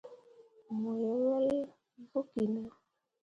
Mo ye wel vokki ne.